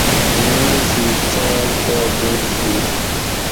مشی چاۤل پا بند ہو